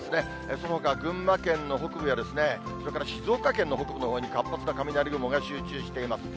そのほか群馬県の北部や、それから静岡県の北部のほうに活発な雷雲が集中しています。